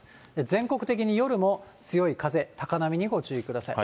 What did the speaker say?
全国的に夜も強い風、高波にご注意ください。